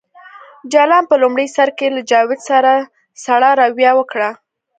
جلان په لومړي سر کې له جاوید سره سړه رویه وکړه